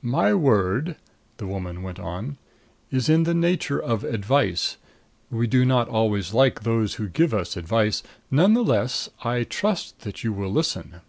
"My word," the woman went on, "is in the nature of advice. We do not always like those who give us advice. None the less, I trust that you will listen."